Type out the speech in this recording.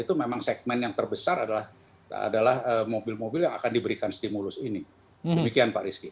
itu memang segmen yang terbesar adalah mobil yang diberikan stimulus ini